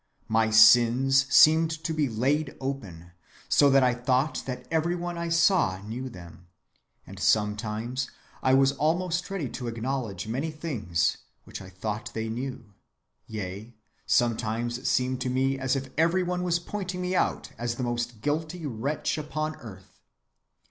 My sins seemed to be laid open; so that I thought that every one I saw knew them, and sometimes I was almost ready to acknowledge many things, which I thought they knew: yea sometimes it seemed to me as if every one was pointing me out as the most guilty wretch upon earth.